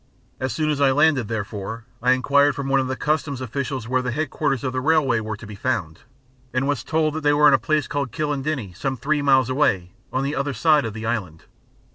As soon as I landed, therefore, I enquired from one of the Customs officials where the headquarters of the railway were to be found, and was told that they were at a place called Kilindini, some three miles away, on the other side of the island.